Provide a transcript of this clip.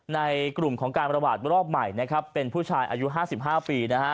ในกลุ่มของการประบาดรอบใหม่นะครับเป็นผู้ชายอายุ๕๕ปีนะฮะ